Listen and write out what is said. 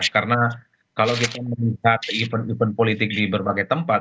karena kalau kita menikah event event politik di berbagai tempat